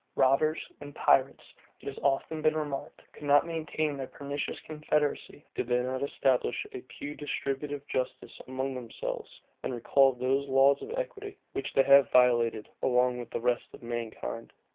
Robbers and pirates, it has often been remarked, could not maintain their pernicious confederacy, did they not establish a pew distributive justice among themselves, and recall those laws of equity, which they have violated with the rest of mankind.